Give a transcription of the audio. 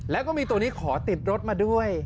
แล้วก็มีตัวนี้ขอติดรถมาด้วย